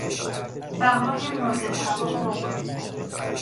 بهای مورد توافق